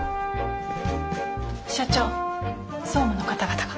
社長総務の方々が。